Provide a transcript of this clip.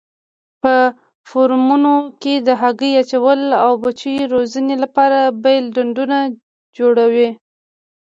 په فارمونو کې د هګۍ اچولو او بچیو روزنې لپاره بېل ډنډونه جوړوي.